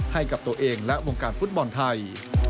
ให้กับตัวเองและวงการฟุตบอลไทย